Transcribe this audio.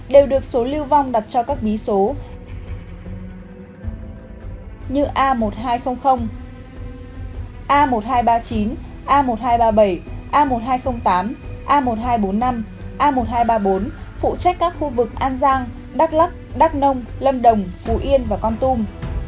đều được số lưu vong đặt cho các bí số như a một nghìn hai trăm linh a một nghìn hai trăm ba mươi chín a một nghìn hai trăm ba mươi bảy a một nghìn hai trăm linh tám a một nghìn hai trăm bốn mươi năm a một nghìn hai trăm ba mươi bốn phụ trách các khu vực an giang đắk lắc đắk nông lâm đồng phù yên và con tum